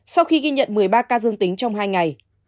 sau khi ghi nhận một mươi ba ca dương tính trong hai ngày